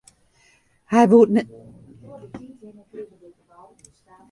Hy woe neat leaver as yn dat stadion op 'e griene matte stean.